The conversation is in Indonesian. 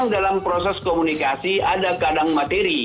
dalam proses komunikasi ada kadang materi